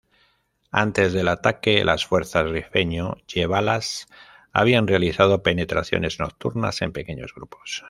Antes del ataque, las fuerzas rifeño-yebalas, habían realizado penetraciones nocturnas en pequeños grupos.